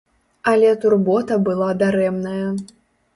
Але турбота была дарэмная.